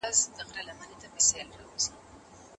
ښځې وویل چې وخت تېر شو.